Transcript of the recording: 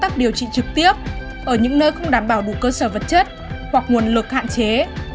tắc điều trị trực tiếp ở những nơi không đảm bảo đủ cơ sở vật chất hoặc nguồn lực hạn chế